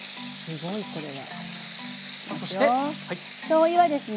しょうゆはですね